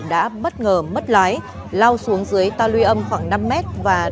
đã bất ngờ mất lái lao xuống dưới ta lưu âm khoảng năm mét và